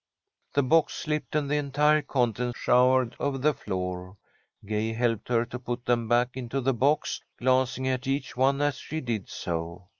The box slipped and the entire contents showered over the floor. Gay helped her to put them back into the box, glancing at each one as she did so.